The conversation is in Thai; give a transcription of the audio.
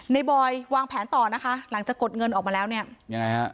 บอยวางแผนต่อนะคะหลังจากกดเงินออกมาแล้วเนี่ยยังไงฮะ